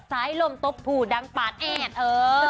สายลมตบผูดังปาดแอด